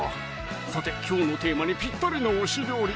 さてきょうのテーマにぴったりな推し料理